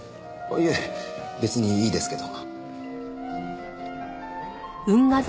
いえ別にいいですけど。